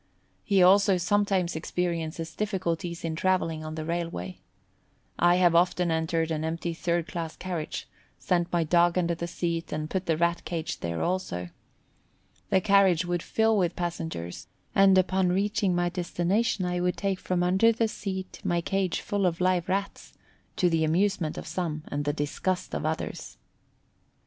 He also sometimes experiences difficulties in travelling on the railway. I have often entered an empty third class carriage, sent my dog under the seat, and put the Rat cage there also. The carriage would fill with passengers, and upon reaching my destination I would take from under the seat my cage full of live Rats, to the amusement of some and the disgust of others.